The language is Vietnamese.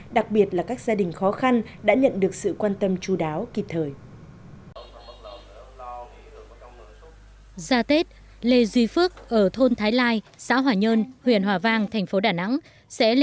đặc biệt là các gia đình khó khăn đã nhận được sự quan tâm chú đáo kịp thời